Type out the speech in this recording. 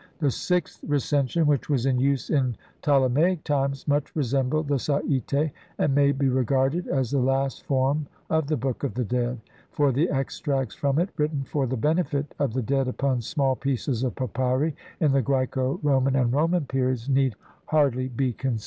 The sixth Recension which was in use in Ptolemaic times much resembled the Sai'te, and may be regarded as the last form of the Book of the Dead, for the extracts from it written for the benefit of the dead upon small pieces of Papyri in the Graeco Roman and Roman periods need hardly be considered.